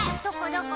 どこ？